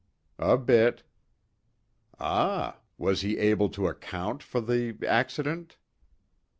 "A bit." "Ah. Was he able to account for the accident?"